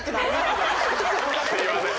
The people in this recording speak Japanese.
すいません。